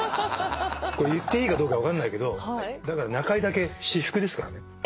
これ言っていいかどうか分かんないけどだから中井だけ私服ですからね。